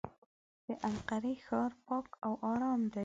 د انقرې ښار پاک او ارام دی.